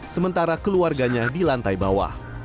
sementara keluarganya di lantai bawah